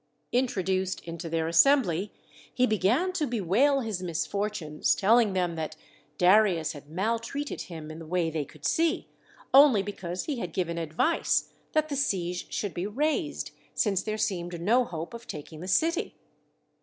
Introduced into their assembly, he began to bewail his misfor tunes, telling them that Darius had maltreated him in the way they could see, only because he had given 62 THE SEVEN WONDERS advice that the siege should be raised, since there seemed no hope of taking the city.